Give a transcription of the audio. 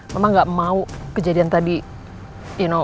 mama gak mau kejadian tadi you know